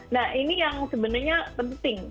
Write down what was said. nah ini yang sebenarnya penting